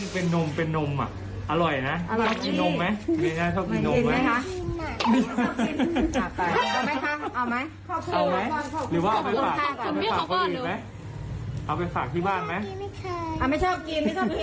เป็นนมเป็นนมอ่ะอร่อยนะนมไหมชอบกินนมไหมเอาไหมเอาไหมหรือว่าไปฝากไปฝากคนอื่นไหมเอาไปฝากที่บ้านไหมไม่ชอบกินไม่ชอบกิน